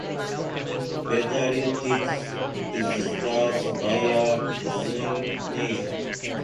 "Beta Arietis" is the star's Bayer designation.